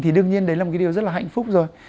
thì đương nhiên đấy là một cái điều rất là hạnh phúc rồi